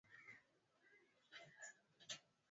Wanyama walioathiriwa hupunguza uzalishaji wa maziwa na nyama